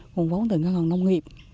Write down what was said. nguồn vốn từ ngân hàng nông nghiệp